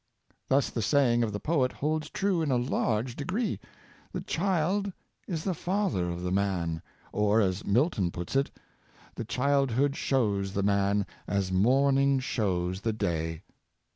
Thus the saying 90 Domestic Tf'azmng. of the poet holds true in a large degree, " The child is father of the man;" or, as Milton puts it, " The child hood shows the man, as morning shows the day."